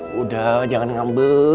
gium juga salah